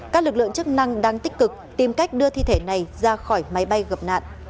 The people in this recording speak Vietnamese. các lực lượng chức năng đang tích cực tìm cách đưa thi thể này ra khỏi máy bay gặp nạn